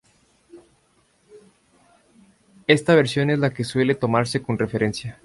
Esta versión es la que suele tomarse como referencia.